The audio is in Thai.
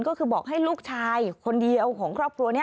ก็คือบอกให้ลูกชายคนเดียวของครอบครัวนี้